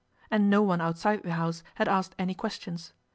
And no one outside the house had asked any questions.